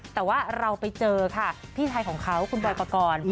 แต่ว่าเราไปเจอค่ะพี่ไทยของเขาคุณบอยปกรณ์